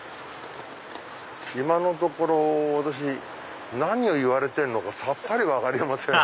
今のところ私何を言われてるのかさっぱり分かりません。